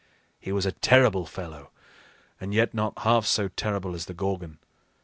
He was a terrible fellow, and yet not half so terrible as the Gorgon.